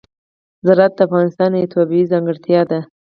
زراعت د افغانستان یوه طبیعي ځانګړتیا ده.